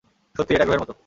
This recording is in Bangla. সত্যিই, এটা গ্রহের মতো।